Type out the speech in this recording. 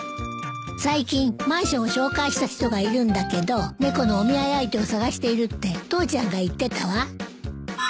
最近マンションを紹介した人がいるんだけど猫のお見合い相手を探しているって父ちゃんが言ってたわ。